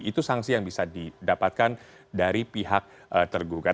itu sanksi yang bisa didapatkan dari pihak tergugat